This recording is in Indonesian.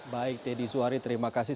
baik teddy suhari terima kasih